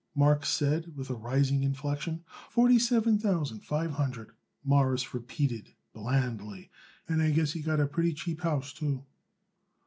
Marks said with a rising inflection. "Forty seven thousand five hundred," Morris replied blandly, "and I guess he got a pretty cheap house, too."